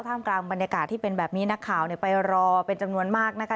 กลางบรรยากาศที่เป็นแบบนี้นักข่าวไปรอเป็นจำนวนมากนะคะ